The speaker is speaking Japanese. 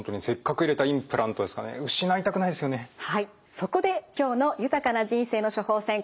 そこで今日の「豊かな人生の処方せん」